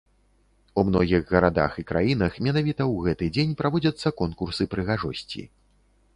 У многіх гарадах і краінах менавіта ў гэты дзень праводзяцца конкурсы прыгажосці.